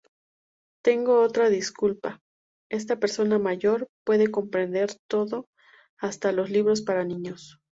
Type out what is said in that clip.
Tengo otra disculpa: esta persona mayor puede comprender todo; hasta los libros para niños.